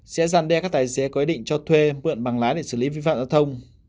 sẽ gian đe các tài xế có ý định cho thuê mượn bằng lái để xử lý vi phạm giao thông